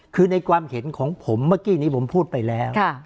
คือในความเห็นของผมเมื่อกี้นี้ผมพูดไปแล้ว